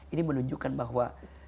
ini menunjukkan bahwa